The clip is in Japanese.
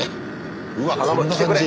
うわっこんな感じ。